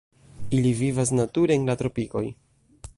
Ili vivas nature en la tropikoj.